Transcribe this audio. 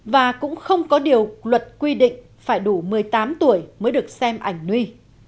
và cũng không có điều luật quy định phải đủ một mươi tám tuổi mới được xem ảnh nuôi